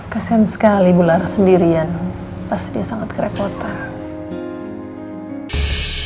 kasian sekali bu laras sendirian pasti dia sangat kerepotan